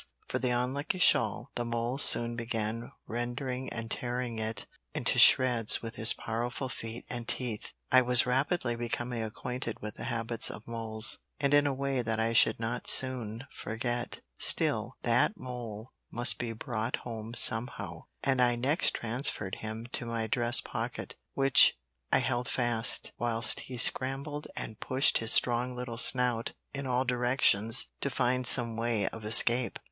for the unlucky shawl the mole soon began rending and tearing it into shreds with his powerful feet and teeth. I was rapidly becoming acquainted with the habits of moles, and in a way that I should not soon forget; still, that mole must be brought home somehow, and I next transferred him to my dress pocket, which I held fast, whilst he scrambled and pushed his strong little snout in all directions to find some way of escape.